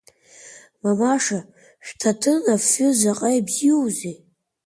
Мамаша шәҭаҭын афҩы заҟа ибзиоузеи?